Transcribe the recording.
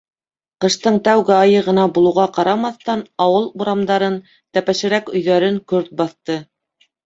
Ҡыштың тәүге айы ғына булыуға ҡарамаҫтан, ауыл урамдарын, тәпәшерәк өйҙәрен көрт баҫты.